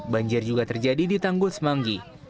banjir juga terjadi di tanggul semanggi